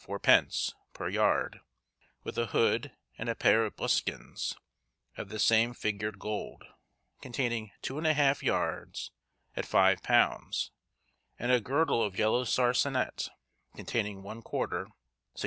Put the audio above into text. _ per yard; with a hood, and a pair of buskins, of the same figured gold, containing 2½ yards, at £5; and a girdle of yellow sarcenet, containing one quarter, 16_d.